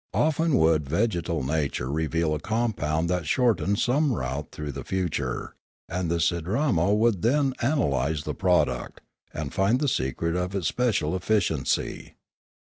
Often would vegetal nature reveal a compound that shortened some route through the future, and the Sidramo would then ana lyse the product, and find the secret of its special efficiency.